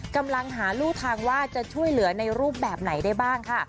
กำลังหารู่ทางว่าจะช่วยเหลือในรูปแบบไหนได้บ้างค่ะ